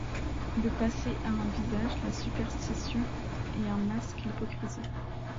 Le passé a un visage, la superstition, et un masque, l'hypocrisie.